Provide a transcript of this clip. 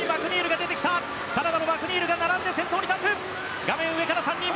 カナダのマクニールがやはり並んで先頭に立つ。